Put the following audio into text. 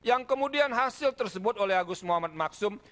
yang kemudian hasil tersebut oleh agus muhammad maksum